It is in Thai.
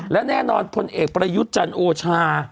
และแน่นอนพลเอกประยุทธ์จันทร์โอชา